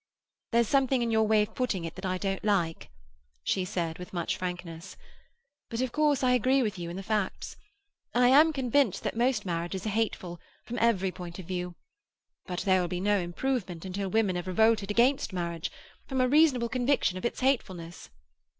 "There's something in your way of putting it that I don't like," she said, with much frankness; "but of course I agree with you in the facts. I am convinced that most marriages are hateful, from every point of view. But there will be no improvement until women have revolted against marriage, from a reasonable conviction of its hatefulness."